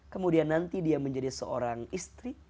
kemudian nanti dia menjadi seorang istri